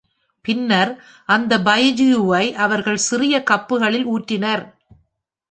பின்னர் அந்த “பைஜியு”-வை அவர்கள் சிறிய கப்புகளில் ஊற்றினர்.